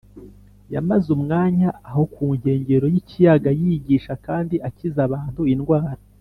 yamaze umwanya aho ku nkengero y’ikiyaga yigisha kandi akiza abantu indwara,